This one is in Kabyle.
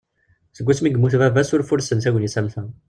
Seg wasmi i yemmut baba-s ur fursen tagnit am ta.